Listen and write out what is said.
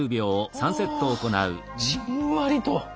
じんわりと。